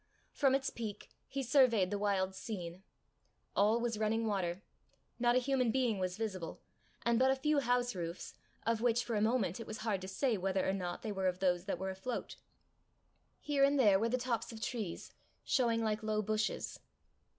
From its peak he surveyed the wild scene. All was running water. Not a human being was visible, and but a few house roofs, of which for a moment it was hard to say whether or not they were of those that were afloat. Here and there were the tops of trees, showing like low bushes.